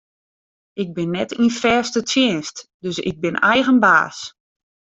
Ik bin net yn fêste tsjinst, dus ik bin eigen baas.